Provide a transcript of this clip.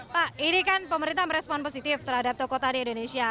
pak ini kan pemerintah merespon positif terhadap toko tadi indonesia